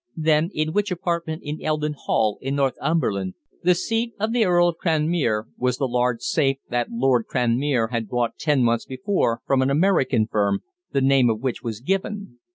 Then, in which apartment in Eldon Hall, in Northumberland, the seat of the Earl of Cranmere, was the large safe that Lord Cranmere had bought ten months before from an American firm, the name of which was given?